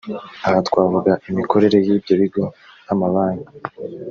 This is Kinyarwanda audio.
Aha twavuga imikorere y’ibyo bigo nk’amabanki